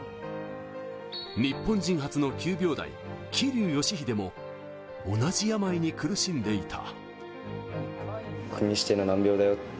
日本人初の９秒台・桐生祥秀も同じ病に苦しんでいた。